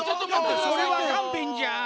それはかんべんじゃ。